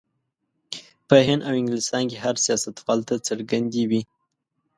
په هند او انګلستان کې هر سیاستوال ته څرګندې وې.